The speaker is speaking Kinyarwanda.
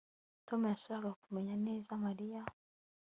tom yashakaga kumenya neza mariya